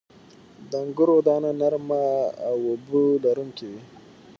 • د انګورو دانه نرمه او اوبه لرونکې وي.